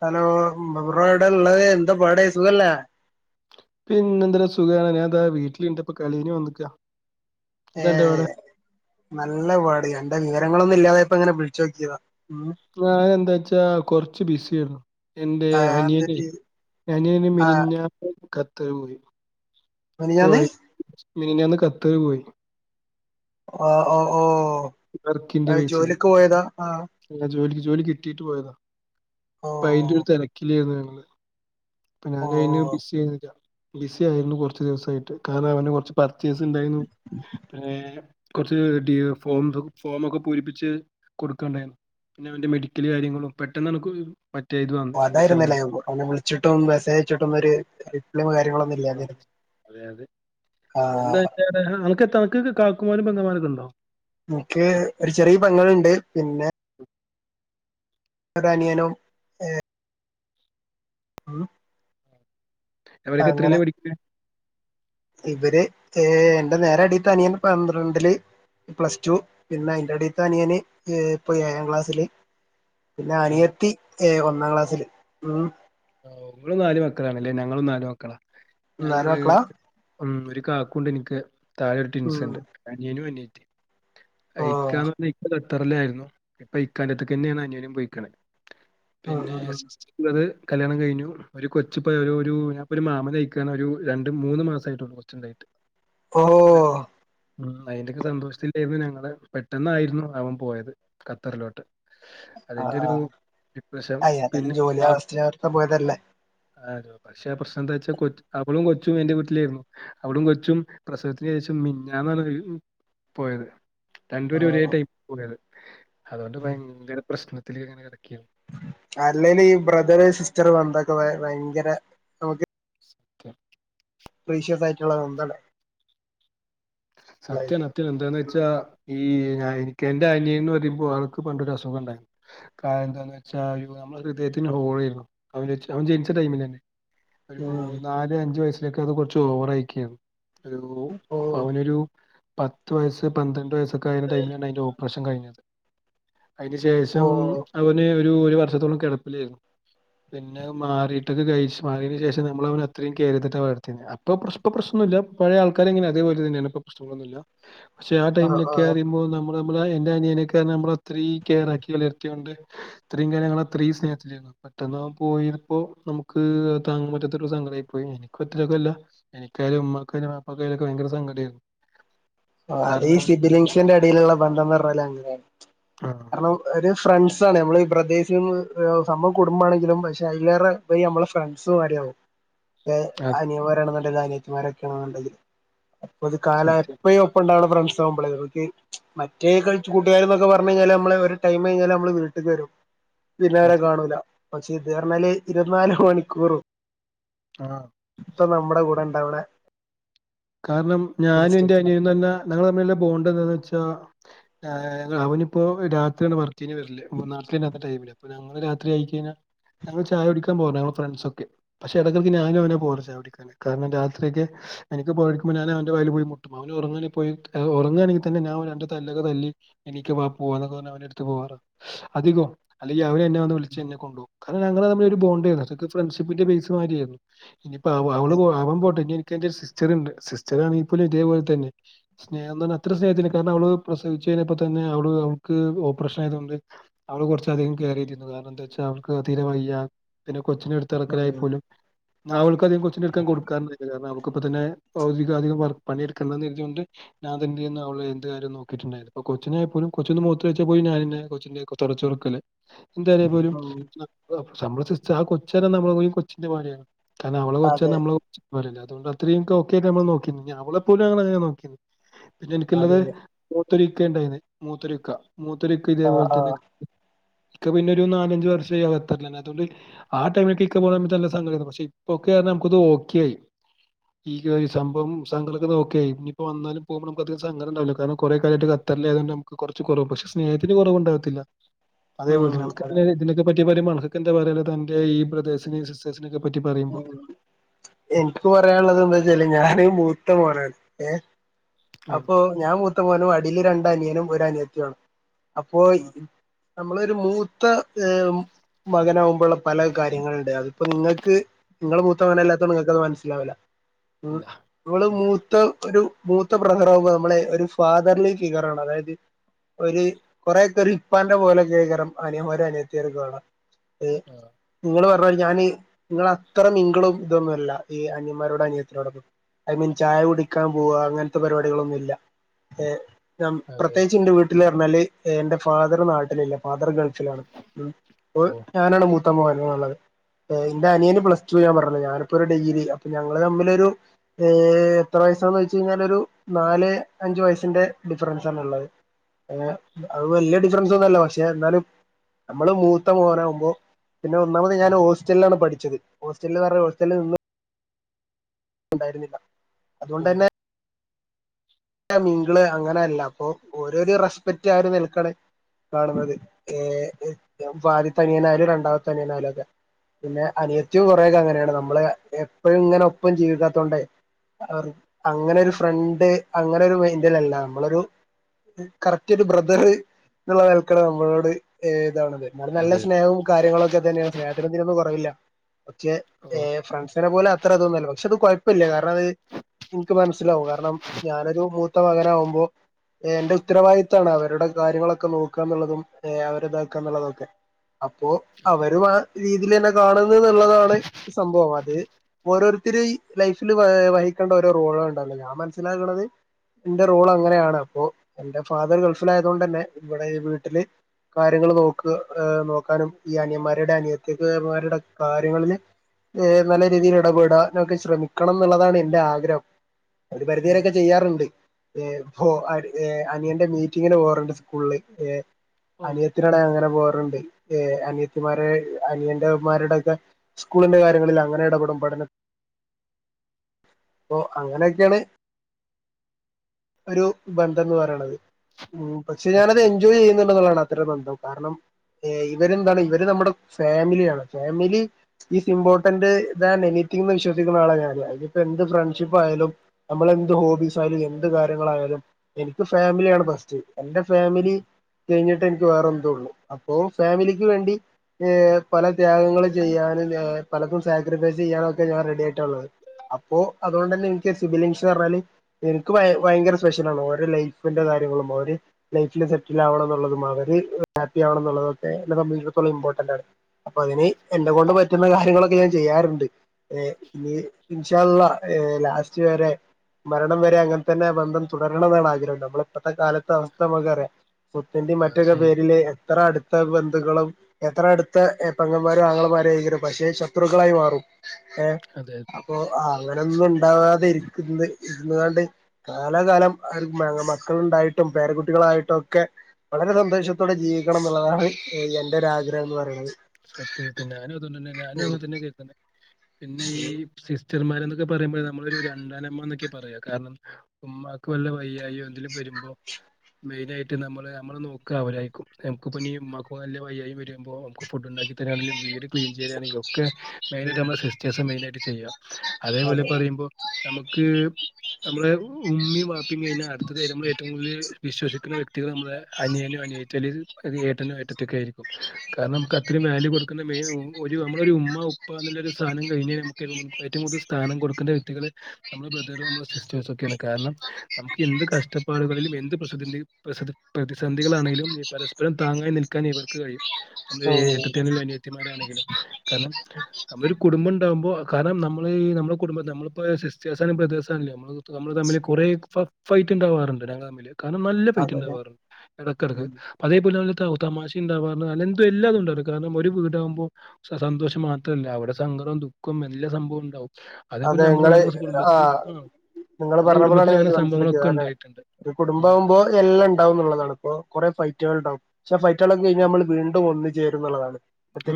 Hello റേടേ ള്ളത് എന്താ പാട് സുഖല്ലേ? പിന്നെന്തര സുഖാണ് ഞ താ വീട്ട്ലിണ്ട്പ്പ കളിയ്ഞ്ഞ് വന്നക്കാ. ഏഹ് നല്ലപാട് അന്റെ വിവരങ്ങളൊന്നും ഇല്ലാതായപ്പം ഇങ്ങനെ വിള്ച്ചോക്കിയതാ ഉം. [unintelligible] എന്താ ച്ചാ കൊർച്ച് ബിസി ആയിരുന്നു. എൻ്റെ ആ അനിയനെ എന്തിട്ട് അനിയന് ആ മിനിഞ്ഞാന്ന് കത്തറ് പോയി. മിനിഞ്ഞാന്ന് പോയി മിനിഞ്ഞാന്ന് കത്തറ് പോയി. ഓഹ് ഓഹ് ഓഹ് അഹ് ജോലിക്ക് പോയതാ? ആഹ് അല്ല ജോലി ജോലി കിട്ടിയിട്ട് പോയതാ ഓ അപ്പ അയിന്റെ ഒരു തെരക്കിലായിരുന്നു ഞങ്ങള്. ഓ ഞാൻ അയിന് ബിസി [unintelligible] ബിസി ആയിരുന്നു കൊർച്ച് ദിവസായിട്ട് കാരണം അവന് കൊർച്ച് പർച്ചേസ് ണ്ടായിരുന്നു പിന്നെ കൊർച്ച് ഡിയേ ഫോം ഫോമക്കെ പൂരിപ്പിച്ച് കൊടുക്കണ്ടായിരുന്നു. പിന്നവൻ്റെ മെഡിക്കല് കാര്യങ്ങള് പെട്ടെന്നമുക്ക് മറ്റേതു ഓ അതായിരുന്നല്ലേ ഓന വിളിച്ചിട്ടും മെസ്സേജ്ച്ചിട്ടൊന്നും ഒരു റിപ്ലൈയും കാര്യങ്ങളൊന്നും ആഹ് ഇല്ലാതെ അതെ, അതെ എന്താ [unintelligible] നക്ക് തണക്ക് കാക്കുമാരും ബംഗമാരൊക്കെ ഉണ്ടോ. എനിക്ക് ഒര് ചെറിയ പങ്ങളുണ്ട് പിന്നെ [inaudible] ഒരനിയനും. ഉം എവരൊക്കെ അങ്ങനെ എത്രല പഠിക്ക? ഇവര് ഏ എന്റെ നേരെ അടിത്തനിയൻ പന്ത്രണ്ടില്. പ്ലസ് ടു പിന്നെ അയിന്റെ അടിത്തെ അനിയന് ഇപ്പോ ഏഴാം ക്ലാസ്സില്. പിന്നെ ഉം അനിയത്തി ഏ ഒന്നാം ക്ലാസില്. ഉം. ആ ഓ ഇങ്ങളും നാല് മക്കളാണല്ലേ ഞങ്ങളും നാലു മക്കളാ. നാല് ഞങ്ങള് മക്കളാ ഉം ഒരു കാക്കുണ്ട് എനിക്ക് താഴെ ഒരു ഉം ടിൻസുണ്ട് അനിയനും അനിയത്തിയും. ഓഹ് അയിക്കാന്ന് പറഞ്ഞ് ഇക്കാ ഖത്തറിലായിരുന്നു ഇപ്പൊ ഇക്കാന്റെത്ത്ക്ക് തന്നെയാണ് അനിയനും പോയിക്ക്ണ. ഉം പിന്നെ ഉം ഉം [unintelligible] കല്യാണം കഴിഞ്ഞു ഒരു കൊച്ചുപ്പോ ഒരു ഞാൻപ്പൊരു മാമന് ആയക്കാണ് ഒരു രണ്ട് മൂന്ന് മാസായിട്ടുള്ളൂ. കൊച്ചുണ്ടായിട്ട്. പിന്നെ ഓഹ് ഉം അയിന്റൊക്കെ സന്തോഷത്തിലായിരുന്നു ഞങ്ങള് പെട്ടെന്നായിരുന്നു അവൻ പോയത് ഖത്തറിലോട്ട്. ആ, അതിന്റെ ആ ഒരു ഡിപ്രഷൻ പിന്നെ അയന്താലും ജോലി ആ ആവശ്യത്തിന് അവടക്ക് പോയതല്ലേ. [unintelligible] പക്ഷെ പ്രശ്നന്താ വെച്ചാ കൊ അവളും കൊച്ചും എന്റെ വീട്ടിലായിരുന്നു. അവളും കൊച്ചും പ്രസവത്തിന് ശേഷം മിഞ്ഞാന്നാണ് പോയത്. രണ്ടുപേരും ഒരേ ഓഹ് ടൈപ്പ [unintelligible] അതുകൊണ്ട് ഭയങ്കര പ്രശ്നത്തില് അങ്ങനെ കിടക്കാണ്. അല്ലേല് ഈ ബ്രദറ് സിസ്റ്ററ് വന്തൊക്കെ ഭയങ്കര നമുക്ക് സ്ക്കെ പ്രീഷ്യസ് ആയിട്ടുള്ള വന്താണ്. സത്യണ്. എന്താന്ന് വെച്ചാ ഈ ഞാ എനിക്ക് എന്റെ അനിയനും ഒര് [unintelligible] പണ്ടൊരു അസുഖം ഉണ്ടായിരുന്നു. കാര്യം എന്താന്ന് വച്ചാ നമ്മുടെ ഹൃദയത്തിന് ഹോൾ ആയിരുന്നു അവ അവൻ ജനിച്ച ടൈമിലന്നെ. ഒരു ഉം നാല് അഞ്ചു വയസിലൊക്കെ അത് കുറച്ച് ഓവറയിക്കേണു ഒരു. അപ്പ ഓഹ് അവനൊരു പത്ത് വയസ്സ്, പന്ത്രണ്ട് വയസ്സൊക്കെ അയേന്റെ ടൈമിലാണ് അയിൻ്റെ ഓപ്പറേഷൻ കഴിഞ്ഞത്. അയിന് ശേഷം ഓഹ് അവന് ഒരു, ഒരു വർഷത്തോളം കിടപ്പിലായിരുന്നു. പിന്നെ മാറിയിട്ടൊക്കെ കഴിച്ച് മാറിയേന് ശേഷം നമ്മൾ അവനെ അത്രയും കെയറെയ്തിട്ട വളർത്തിയത്. അപ്പൊ ഇപ്പൊ പ്രശ്നൊല്ല. പഴയ ആൾക്കാരെങ്ങനെ അതേപോലെ തന്നെയാണ് ഇപ്പം പ്രശനങ്ങളൊന്നുല്ല. പക്ഷേ ആ ആഹ് ആഹ് ടൈമിലൊക്കെറിയുമ്പോ നമ്മൾ നമ്മ നമ്മളെ എൻ്റെ അനിയനൊക്കെ നമ്മളത്രീ കെയറാക്കി വളർത്തിയോണ്ട് ഇത്രയും കാലം ഞങ്ങളഅത്രയും സ്നേഹത്തിലായിരുന്നു. പെട്ടെന്നവ പോയപ്പോ നമുക്ക് താങ്ങാൻ പറ്റാത്ത ഒരു സങ്കടിയി പോയി എനിക്ക് ഒറ്റക്കല്ല. എനിക്കായാലും ഉമ്മാക്കായാലും വാപ്പക്കായാലും ഒക്കെ ഭയങ്കര സങ്കടായിരുന്നു. അതെ ഈ കാരണം ഷിബിലിഗ്ഷന്‍റെ ഇടിയിലുള്ള ബന്ധം പറഞ്ഞാൽ അങ്ങനെല്ലേ. ആഹ് കാരണം ഒരു ഫ്രണ്ട്സാണ് നമ്മള് ഈ ബ്രദേഴ്സ്ന്ന് സംഭവം കുടുംബാണെങ്കിലും പക്ഷെ അയിലേറെ ഇപ്പൊ ഈ അമ്മള ഫ്രണ്ട്സ് മാരിയാവും ഏഹ് അതെ. ഇനി ഞാൻ പറയാണെന്നുണ്ടങ്കി അനിയത്തിമാരൊക്കെയാണ് വേണ്ടത് ഒരു കാലാ സത്യം ഒപ്പണ്ടാവണ ഫ്രണ്ട്സ് ആവുമ്പളെ ഓല്ക്ക്. മറ്റേ കളിച്ച് കൂട്ടുകാര് എന്നൊക്കെ പറഞ്ഞ് കഴിഞ്ഞാല് നമ്മളെ ഒരു ടൈം കഴിഞ്ഞാൽ നമ്മളെ വീട്ട്ക്ക് വരും. പിന്നെവരെ അതെ കാണൂല. പക്ഷേ ഇത് പറഞ്ഞാല് ഇരുന്നാല് മണിക്കൂറും. ആഹ് ഇപ്പ നമ്മുടെ കൂടെ ഇണ്ടവണെ കാരണം ഞാനും എൻ്റെ അനിയും എന്ന് പറഞ്ഞാ ഞങ്ങള് തമ്മിലുള്ള ബോണ്ട് എന്താന്ന് വെച്ചാ ആ അവനിപ്പോ രാത്രിയാണ് വർക്കിന് വരല് നാട്ടിൽ ഇല്ലാത്ത ടൈമില് അപ്പൊ ഞങ്ങള് രാത്രി അയിക്കഴ്ഞ്ഞ ഞങ്ങള് ചായ കുടിക്കാൻ പോന്നത ഞങ്ങളെ ഫ്രണ്ട്സൊക്കെ പക്ഷെ ഇടക്കടക്ക് ഞാനും അവന് പോവല് ചായ കുടി കാരണം രാത്രിക്ക് എനിക്ക് പേടിക്കുമ്പോ ഞാൻ അവന്റെ വാതിൽ പോയി മുട്ടും അവന് ഉറങ്ങാണെങ്കി പോയി ഉറങ്ങണെങ്കി തന്നെ ഞാൻ രണ്ട് തല്ലൊക്കെ തല്ലി എണീക്ക് വാ പോവാന്നൊക്കെ പറഞ്ഞ് അവന്റെ അടുത്ത് പോവാറ് അധികും അല്ലെങ്കിൽ അവൻ എന്നെ വന്ന് വിളിച്ച് എന്നെ കൊണ്ട്പോകും കാരണം ഞങ്ങൾ തമ്മില് ഒരു ബോണ്ടായിരുന്നു ഫ്രണ്ട്ഷിപ്പിന്റെ ബേസ് മാതിരി ആയിരുന്നു ഇനിപ്പം അവള് അതെ അവൻ പോട്ടെ ഇനി എനിക്ക് എന്റെ സി സിസ്റ്ററണ്ട് സിസ്റ്ററാണെങ്കി പോലും ഇതേപോലെ തന്നെ സ്നേഹംന്ന് പറഞ്ഞ അത്ര സ്നേഹത്തില് കാരണം അവള് പ്രസവിച്ച് കഴിഞ്ഞപ്പോ തന്നെ അവള് അവൾക്ക് ഓപ്പറേഷൻ ആയത്കൊണ്ട് അവള് കൊറച്ച അധികം കെയറൈതിരുന്നതാ കാരണം എന്താ ച്ചാൽ അവക്ക് തീരെ വയ്യ പിന്നെ കൊച്ചിനെ എടു തറക്കലായി ഉം പോലും അവൾക്ക് അധികം കൊച്ചിനെടുക്കാൻ കൊടുക്കാറില്ല കാരണം അവൾക്ക്. ഇപ്പ തന്നെപൗതികധികം വർക്ക് പണിയെടുക്കണംന്നെരിതൊണ്ട്. ഞൻ തന്നെയായിരുന്നുഅവളെ എന്ത് കാര്യോം നോക്കിട്ടുണ്ടായിരുന്ന് ഇപ്പൊ കൊച്ചിനെ ആയി പോലും കൊച്ചന്ന് മൂത്രയിച്ച പോയി ഞാനന്നെ കൊച്ചിന്റെ ക്കെ തൊടചൊടുക്കല്. എന്ത പോലും ഉം നമ്മ സസ് ആ കൊച്ചല്ലാം നമ്മള കൊച്ചിന്റെ മാരിയാണ്. കാരണം അവളെ കൊച്ചാ അതെ നമ്മള കൊച്ചിനെ പോലെയല്ലേ അതോണ്ട് അത്രേം ഒക്കെ ആട്ട് നമ്മ നോക്കിന്ന് അവളെ പോലും നോക്കിന്ന്. പിന്നെ അതെ എനിക്കുള്ളത് അതെ മൂത്തൊരിക്ക ഇണ്ടായിന്ന് മൂത്തൊരിക്ക. മൂത്തൊരിക്കെ ആഹ് ഇതേപോലെ തന്നെ ആഹ് ഇക്ക പിന്നെ ഒരു നാലഞ്ചു വർഷ ആയി അകത്തന്നെ. അതുകൊണ്ട്. ആഹ് ടൈമില്ക്ക് ഇക്ക പോവാന്നേച്ച നല്ലെ സങ്കടരുന്നു ഇപ്പൊക്ക നമുക്കത് ഓകെ ആയി. ഈ സംഭം സങ്കങ്ങളൊക്കെ ഓക്കെയായി ഇനിയിപ്പൊ വന്നാലും പോവുമ്പോ നമുക്ക് അധികം സങ്കടം ഇണ്ടാവൂല കാരണം കൊറെ കാലായിട്ട് കത്തറിലായതോണ്ട്. കൊറച്ച് കൊറവ് പക്ഷെ സ്നേഹത്തിന് കുറവുണ്ടാവത്തില്ല. [inaudible] അതേപോലെത്തന്നെ അതെ അവൾക്ക് പറ്റി പറയുമ്പോ അനക്കൊക്കെ എന്താ പറയാള്ളത് തന്റെ ഈ ബ്രദേഴ്സിനിം സിസ്റ്റഴ് സിനെ ക്കെ പറ്റി പറയുമ്പോ. ഉം എനിക്ക് പറയാനുള്ളത് എന്താച്ചല് ഞാന് മൂത്ത മോനാണ്. ആഹ് അപ്പോ ഞാൻ മൂത്തമോനും അടിയില് രണ്ടനിയനും ഒരനിയത്തിയുംആണ് അപ്പോ. ആഹ് നമ്മളൊരു മൂത്ത മകനാകുമ്പള്ള പല കാര്യങ്ങളുണ്ട് അതിപ്പോ ഇങ്ങക്ക്. ഇങ്ങള് മൂത്ത മകനെല്ലാത്ത തൊണ്ട് നിങ്ങൾക്ക്ത് മനസ്സിലാവില്ല ഇല്ല നിങ്ങള് അതെ മൂത്ത ഒരു മൂത്ത ബ്രദറാവുമ്പോ നമ്മളെ ഒരു ഫാദറിന് ഫിഗറാണ് അതായത്. ഒരു കൊറെക്കെരു ഇപ്പാന്റെ പോലെക്കൈകാരം അനിയൻ മാരും അനിയതേളും വ ആഹ് ഇങ്ങള് പറഞ്ഞരി ഞാന് ഇങ്ങള. ഇത്രരം നിങ്കളും ഇതൊന്നുഅല്ല ഈ അനിയന്മാരോടും അനിയത്തിനോടൊക്കെ. ഐ മീൻ ചായ കുടിക്കാൻ പോവാ അങ്ങനത്തെ പരിപാടികളൊന്നു ഇല്ല ഏഹ്. ഞാമ് അതെ പ്രത്യേകിച്ച് ഇന്റെ വീട്ടില് അറഞ്ഞാല് എന്റെ ഫാദറ് നാട്ടിലില്ല. ഫാദർ ഗൾഫിലാണ് ഉം ഓ ഞാനാണ് മൂത്ത മോന് എന്നുള്ളത് ഇന്റെ അനിയന് പ്ലസ് ടു ഞാൻ പറഞ്ഞിലെ ഞാനിപ്പോ ഒരു ഡിഗ്രി അപ്പ ഞങ്ങള് തമ്മിലൊരു. ഏഹ് എത്ര വയസാന്ന് വെച്ച കഴിഞ്ഞാലൊരു നാല് അഞ്ചു വയസ്സിന്റെ ഡിഫറൻസ് ആണ് ഉള്ളത്. ഏഹ് ഓ അത് വല്യ ഡിഫറൻസൊന്നും അല്ല പക്ഷെ എന്നാലും. നമ്മള് മൂത്ത മോനാവുമ്പോ പിന്നെ ഒന്നാമത് ഞാൻ ഹോസ്റ്റലിലാണ് പഠിച്ചത്. ഹോസ്റ്റലില് പറ ഹോറ്റലിൽ നിന്ന് ഉണ്ടായിരുന്നില്ല ഓ അതുകൊണ്ട് തന്നെ. മിംഗിള് അങ്ങനെയല്ല അപ്പൊ ഓരോ ഒരു റെസ്പെക്റ്റ് ആ ഒര് നിൽക്കണ. കാണുന്നത് ഏഹ് ആദ്യത്തനിയേനായാലും രണ്ടാമത്തെനിയേനായാലും ഒക്കെ പിന്നെ അനിയത്തിയും കുറെേയൊക്കെ അങ്ങനെയാണ് നമ്മള് എപ്പഴും ഇങ്ങനെ ഒപ്പം ജീവിക്കാതോണ്ടേ. അവർ അങ്ങനൊരു ഫ്രണ്ട് അങ്ങനെ ഒരു മൈന്ഡലല്ല അമ്മളൊരു. കറക് ടൊരു ബ്രദറ് ന്ന്ള്ള നൽ ക്കാണ് നമ്മളോട് ഇതാവ്ണത്. ഇന്നാലും നല്ല അതെ അതെ സ്നേഹവും കാര്യങ്ങളൊക്കെ തന്നെണ് സ്നേഹത്തിനൊന്നും കൊറവില്ല. പക്ഷേ ഓ ഫ്രണ്ട്സിനെ പോല അത്രതൊന്നൊല്ല പക്ഷെ അത് കൊയപ്പില്ല കാരണം അത് ഇനിക്ക് മനസ്സിലാവും കാരണം. ഞാനൊരു മൂത്ത മകനാവുമ്പോ എന്റെ ഉത്തരവാദിത്താണ് അവരുടെ കാര്യങ്ങളൊക്കെ നോക്കന്നുള്ളതും അവരെതാക്കന്നുള്ളതൊക്കെ അപ്പോ അവരും ആ രീതിലെന്നെ കാണുന്നന്നുള്ളതാണ് സംഭവം അത് ഓരോരുത്തര് ലൈഫില് വഹിക്കണ്ട ഓരോ റോള്ണ്ടല്ലോ ഞാൻ മനസ്സിലാക്കണത്. ഇന്റെ റോൾ അങ്ങനെയാണ് അപ്പോ എന്റെ ഫാദർ ഗൾഫിലാ യതോണ്ടന്നെ ഇവിടെ വീട്ടില് കാര്യങ്ങള് നോക്ക നോക്കാനും ഈ അനയന്മാരുടെ അനിയത്തിമാരുടെ കാര്യങ്ങളില് ഏഹ് നല്ല രീതിൽ ഇടപെടാനൊക്കെ ശ്രമിക്കണം ന്ന്ള്ളതാണ് എന്റെ ആഗ്രഹം ഒരു ഉം പരിതിവരൊക്കെ ചെയ്യാറുണ്ട് പ്പൊ അതെ അനിയന്റെ മീറ്റിങ്ങിന് പോവാറുണ്ട് സ്കൂളില് ഓ അനിയത്തിനട അങ്ങനെ പോവാറുണ്ട് ഏ അനിയത്തിമാരെ അനിയന്റെമാരുടൊക്കെ സ്കൂളിന്റെ കാര്യങ്ങളിൽ അങ്ങനെ എടപെടും പഠന അപ്പൊ അങ്ങനൊക്കെണ് ഒരു ബന്ധം എന്ന് പറയണത് ഉ പക്ഷെ സത്യം ഞാനത് സത്യം എൻജോയ് ചെയ്യുന്നുണ്ട എന്നുള്ളതാണ് ഇത്ര ബന്ധം കാരണം ഇവരെന്താണ് ഇവര് നമ്മുടെ ഫാമിലിയാണ് ഫാമിലി ഈസ് ഇമ്പോർട്ടന്റ് ദാൻ എനിത്തിങ്ന്ന് വിശ്വസിക്ക ആളാണ് ഞാന് അതി നിപ്പൊ എന്ത് ഫ്രണ്ട്ഷിപ്പ്ആയാലും നമ്മള്എന്ത് ഹോബീസ് ആയാലും എന്ത് കാര്യങ്ങളായാലും എനിക്ക് ഫാമിലിയാണ് ഫസ്റ്റ് എന്റെ ഉം ഫാമിലി കഴിഞ്ഞിട്ടേ എനിക്ക് വേറെ എന്തും ഉള്ളു അപ്പൊ ഫാമിലിക്ക് വേണ്ടി ഏ പല ത്യാഗങ്ങൾ ചെയ്യാനും പലർക്കും സാക്രിഫൈസ് ചെയ്യാനൊക്കെ ഞാൻ റെഡി ആയിട്ടുള്ളത് അപ്പോ അതുകൊണ്ട് തന്നെ എനിക്ക് ശുബിലൻഷ പറഞ്ഞാല് എനിക്ക് ഭ ഭയങ്കര സ്പെഷ്യൽ ആണ് ഓരോ ലൈഫിന്റെ കാര്യങ്ങളും ഓര് ലൈഫില് സെറ്റിൽ ആവണം എന്നുള്ളതും അവര് ഹാപ്പി ആവണം എന്നുള്ളതൊക്കെ എ ന്നെ സംബന്ധിച്ചിടത്തോളം ഇമ്പോർട്ടന്റ് ആണ് അപ്പൊ അതിന് എന്നെ കൊണ്ട് പറ്റുന്ന കാര്യങ്ങളൊക്കെ ഞാൻ ചെയ്യാറുണ്ട് ഏ ഇനി ഇൻഷ അള്ളാലാസ്റ്റ് വരെ മരണം വരെ അങ്ങനെ തന്നെ ആ ബന്ധം തുടരണം എന്നാണ് ആഗ്രഹം നമ്മള ഇപ്പോഴത്തെ കാലത്തെ അവസ്ഥ നമ്മക്ക റിയാം സ്വത്തിന്റെ ആഹ് മറ്റൊക്കെ ശരി പേരില് എത്ര അടുത്ത ബന്ധുക്കളും എത്ര അടുത്ത പെങ്ങന്മാരോ ആങ്ങളമാരോ ആണെങ്കിലും പക്ഷേ ശത്രുക്കളായി മാറും ഏ അതെ അപ്പൊ അങ്ങനെയൊന്നും ഉണ്ടാവാതിരിക്കുന്നത് ഇരുന്നുകാണ്ട് കാലാകാലം മക്കളുണ്ടായിട്ടും പേരകുട്ടികളായിട്ടും ഒക്കെ വളരെ സന്തോഷത്തോടെ ജീവിക്കണം എന്നുള്ളതാണ് എന്റെ ഒരുരാഗ്രഹം എന്ന് പറയണത് സത്യം സത്യം ഞാനും അതൊ തന്നെ ഞാനും അങ്ങനെ തന്നെ കേക്കുന്നത് പിന്നെ ഈ സിസ്റ്റർമാര എന്നൊക്കെ പറയുമ്പോഴ നമ്മളൊരു രണ്ടാനമ്മ എന്നൊക്കെ പറയാം കാരണം ഉമ്മാക്ക് വല്ല വയ്യായി എന്തിലും വരുമ്പോ മെയിന ആയിട്ട് നമ്മള് നമ്മള് നോക്കുക അവരായിരിക്കും നമക്ക്പ്പ ഉമ്മമാക്ക് നല്ല വയ്യായിം വരുമ്പോൾ ന ഫുഡ്ണ്ടാക്കി തരായാണങ്കിലും വീട് ക്ലീൻ ചെയ്യാനണെങ്കിലും ഒക്കെ മെയിനായിട്ട് നമ്മള സിസ്റ്റേഴ്സ് മെയിൻ ആയിട്ട് ചെയ്യുക അതേപോലെ ഉം പറയുമ്പോ നമുക്ക് നമ്മള് ഉമ്മി വാപ്പി കഴിഞ്ഞാ അടുത്തതായി നമ്മൾ ഏറ്റവും കൂടുതൽ വിശ്വസിക്കുന്ന വ്യക്തികൾ നമ്മള് അനിയനോ അന റ്റല് ഏട്ടനും ഏട്ടത്തി ഒക്കെ ആയിരിക്കും കാരണം നമുക്ക് അത്രയും വാല്യൂ കൊടുക്ക ക്കണ മെയിൻ ഒരു നമ്മള ഒരു ഉമ്മ ഉപ്പ എന്നുള്ളൊരു സ്ഥാനം കഴിഞ്ഞൽ നമുക്ക് ഏറ്റവും കൂടുൽ സ്ഥാനം കൊടുക്കേണ്ട വ്യക്തികള് നമ്മുടെ ബ്രദറും നമ്മുടെ സിസ്റ്റേഴ്സ് ഒക്കെയാണ് കാരണം നമുക്ക് എന്ത് കഷ്ടപ്പാടുകളിലും എന്ത് പ്രതിസ പ്രതിസന്ധികളാണെങ്കിലും പരസ്പരം താങ്ങായി നിൽക്കാൻ ഇവർക്ക് കഴിയും നമ്മുടെ ഏട്ടത്തി ആണെങ്കിലുംഅനിയത്തിമാരാണെങ്കിലും കാരണം നമ്മളൊ കുടുംബംഉണ്ടാവുമ്പോ കാരണം നമ്മള് നമ്മ കുടുംബം നമ്മപ്പോ സിറ്റേഴ്സാണെങ്കിലും ബ്രദേഴ്സ് ആണെങ്കിലുംനമ്മള് നമ്മള് തമ്മില് കുറെ ഫൈറ്റ് ഉണ്ടാവാറുണ്ട് ഞങ്ങ തമ്മില് കാരണം നല്ല അതെതെ പൈറ്റുണ്ടാവാറുണ്ട് ഇടക്കിടക്ക് ഉം അതേ പോലെ തമാശ ഉണ്ടാവാറുണ്ട് അ എന്തുംല്ലാതും ഉണ്ടായിരുന്നു സണം ഒരു വീടാകുമ്പോ സന്തോഷം മാത്രമല്ല അവിടെ സങ്കടവും ദുഃഖവും എല്ലാ സംഭവം ഉണ്ടകും അതേപോലെ നമ്മുടെങ്ങളുടെ കുടുംബത്തിലും ആഹ് നിങ്ങള്ൾ പറഞ്ഞ പോലാണ് ഞാൻ മനസ്സിലാക്കിയത് അ ഒരു കുടുംബം ഉം. ആവുമ്പോ എല്ലാം ഉണ്ടാവ എന്നുള്ളതാണ് അപ്പൊ കുറെ ഫൈറ്റുകൾ ഉണ്ടാവും പക്ഷേ ഫൈറ്റുകളൊക്കെ കഴിഞ്ഞാൽ ഉം. നമ്മൾ വീണ്ടും ഒന്നു ചേരുന്നള്ളതാണ്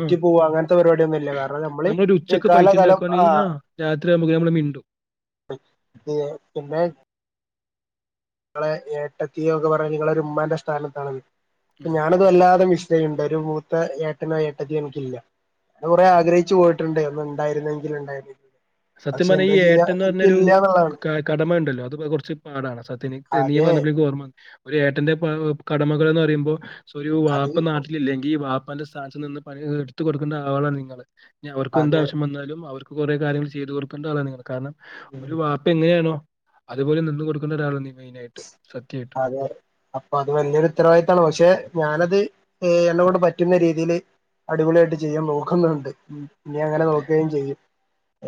ആ പോവ അങ്ങനത്തെ പരിപാടിയൊന്നുംമില്ല കാരണം നമ്മള് നമ്മളൊരു ഈ ഉച്ചക്ക് ഫൈറ്റ് കാലകാലം ഉണ്ടാക്കുവാണെങ്കിൽ ആഹ് ആ രാത്രി ആവു മ്പ നമ്മൾ മിണ്ടും [unintelligible] പിന്നെ ഇങ്ങളെ ഏട്ടത്തിയൊക്കെ പറഞ്ഞു നിങ്ങള് ഒരുമ്മാന്റെ സ്ഥാനത്താണെന്ന്, ആ പ്പഞാനത് അതെ വല്ലാതെ [unintelligible] ഇണ്ട് ഒരു മൂത്ത ഏട്ടനോ ഏട്ടത്തിയോ എനിക്കില്ല അത് കൊറെ ആ ആഗ്രഹിച്ചു പോയി ട്ടുണ്ട് ഒന്നുണ്ടായിരുന്നെങ്കിൽ ഉണ്ടായിരുന്നെ [unintelligible] സത്യം പറഞ്ഞാ ഈ ഏട്ടൻന്ന് പറഞ്ഞൊരു എന്നുള്ളതാണ് കാ കടമ ഇണ്ടല്ലോ, അത് കൊറച്ച് പാടാണ് സത്യന് നീ അതെ പറഞ്ഞപ്പഴാ ഇൻക്ക് ഓർമ വന്ന് ഒരു ഏട്ടന്റെ കടമകൾന്ന് പറയുമ്പോ ഒരു അത് വാപ്പ നാട്ടിലില്ലെങ്കി ഈ വാ പ്പാന്റെ സ്ഥാനത്ത് നിന്ന് പലേ ഇതും എടുത്ത് കൊടുക്കണ്ട ആളാണ് നിങ്ങള്, ഇനി അവർക്കും അതെ എന്താവശ്യം വന്നാലും അവർക്ക് കൊറേ കാര്യങ്ങള് ചെയ്ത് കൊടുക്കണ്ട ആളാ നിങ്ങള്, കാരണം ഒരു വാപ്പ എങ്ങനെയാണോ അതുപോലെ നിന്ന് കൊടുക്കുന്ന ഒരാളാ നീ മെയിനായിട്ട് സത്യായിട്ട് അതെ, അപ്പൊ അത് വല്യയൊരു ഉത്തരവാദിത്താണ് പക്ഷെ ഞാനത് ഏഹ് എന്നോട് പറ്റുന്ന രീതീല് അടിപൊളിയായിട്ട് ചെയ്യാൻ നോക്ക്‌ന്നുണ്ട് ഉം ഇനി അങ്ങനെ അതെ. നോക്കേം ചെയ്യും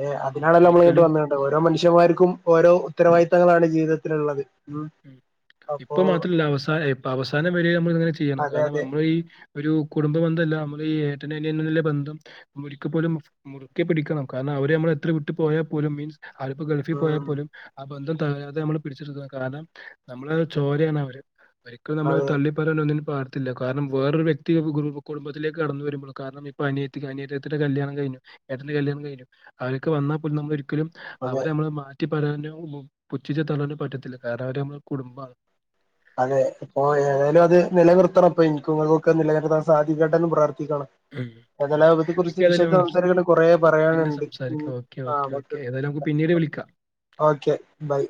ഏഹ് ഉം. അതിനാണല്ലോ ഇമ്മള് ഇങ്ങോട്ട് ഒരിക്കലും വന്ന് [unintelligible] ഓരോ മനുഷ്യമാർക്കും ഓരോ ഉത്തരവാദിത്തങ്ങളാണ് ജീവിതത്തിലിള്ളത്. ഉം ഇപ്പൊ മാത്രല്ല അവസാന ഇപ്പ അവസാനം വരെയും അമ്മള് ഇത് ഇങ്ങനെ ചെയ്യണം, അതെ കാരണം അതെ അമ്മള് ഈ ഒരു കുടുംബ ബന്ധല്ല അമ്മള് ഈ ഏട്ടന് അനിയനുള്ള ബന്ധം ഒരിക്ക പോലും മുറുക്കെ പിടിക്കണം, കാരണം അവര് അമ്മളെ എത്ര വിട്ടു പോയാ പോലും മീൻസ് ആള്പ്പോ ഗൾഫി പോയാ ഉം പോലും ആഹ് ബന്ധം തകരാതെ നമ്മള് പിടിച്ചിർത്തണം കാരണം നമ്മള് ചോരയാണ് അവര്, ഒരിക്കലും നമ്മളവരെ അതെ തള്ളി പറയാനൊന്നിനും പാടത്തില്ല, കാരണം വേറൊരു വ്യക്തി വു കു റു കുടുംബത്തിലേക്ക് കടന്നു വരുമ്പള് കാരണം ഇപ്പൊ അനി ത്തി അനിയത്തീടെ കല്യാണം കഴിഞ്ഞു, ഏട്ടന്റെ കല്യാണം കഴിഞ്ഞു, അവരൊക്കെ വന്നാപ്പോലും നമ്മള് ഒരിക്കലും അതെ അവരെ അമ്മള് മാറ്റി പറയാനോ [unintelligible] പുച്ചിച്ച് തള്ളാനോ പറ്റത്തില്ല, കാരണം അവര് അമ്മള് കുടുംബാണ്. അതെ ഇപ്പൊ ഏഹ് ഏതായാലും അത് നിലനിർത്തണം അപ്പൊ എൻക്കും അതൊക്കെ നിലനിർത്താൻ സാധിക്കട്ടെന്ന് പ്രാർത്ഥിക്കണം ഉം. അത് ഓക്കെ. നമുക്ക് ലാഭത്തെക്കുറിച്ച് ഏതായാലും വിശദാ സംസാരിക്കണ്ട കൊറെ പിന്നെ പറയാനിണ്ട് ഉം സംസാരിക്കാം ഓക്കെ ഓക്കെ ആഹ് [unintelligible] ഓക്കെ ഏതായാലും നമുക്ക് പിന്നീട് വിളിക്കാ ഓക്കെ ബൈ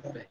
[inaudible] ബൈ